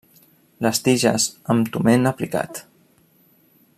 Les tiges amb toment aplicat.